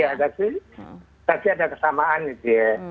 ya tapi ada kesamaan itu ya